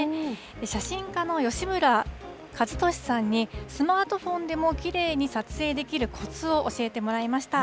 写真家の吉村和敏さんに、スマートフォンでもきれいに撮影できるこつを教えてもらいました。